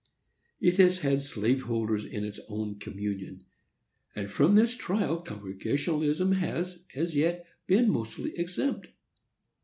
It has had slave holders in its own communion; and from this trial Congregationalism has, as yet, been mostly exempt.